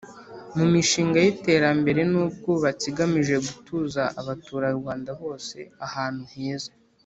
mu mishinga yiterambere nubwubatsi igamije gutuza abaturarwanda bose ahantu heza